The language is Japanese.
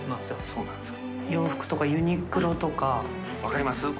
そうなんですか？